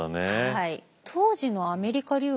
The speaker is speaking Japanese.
はい。